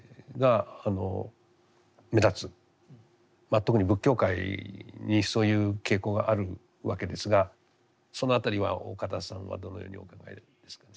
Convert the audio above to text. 特に仏教界にそういう傾向があるわけですがその辺りは岡田さんはどのようにお考えですかね。